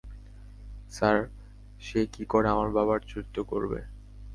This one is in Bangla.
স্যার, সে কী করে আমার বাবার চরিত্র করবে?